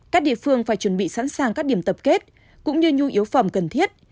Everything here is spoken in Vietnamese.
các địa phương phải chuẩn bị sẵn sàng các điểm tập kết cũng như nhu yếu phẩm cần thiết